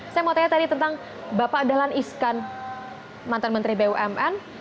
saya mau tanya tadi tentang bapak dahlan iskan mantan menteri bumn